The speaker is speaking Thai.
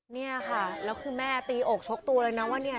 เนี่ยค่ะแล้วคือแม่ตีอกชกตัวเลยนะว่าเนี่ย